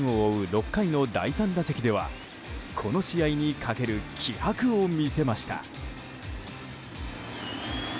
６回の第３打席ではこの試合にかける気迫を見せました。